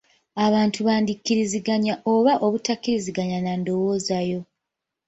Abantu bandi kkiriziganya oba obutakkiriziganya na ndowooza yo.